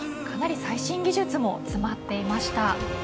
かなり最新技術も詰まっていました。